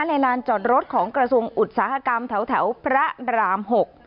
ลานจอดรถของกระทรวงอุตสาหกรรมแถวพระราม๖